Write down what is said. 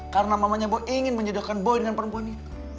karena mamanya boy ingin menyodorkan boy dengan perempuan ini